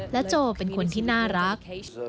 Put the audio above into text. โจเป็นคนที่น่ารัก